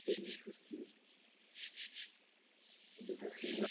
Přesné číslo jí není známo.